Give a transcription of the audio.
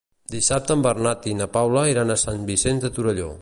Dissabte en Bernat i na Paula iran a Sant Vicenç de Torelló.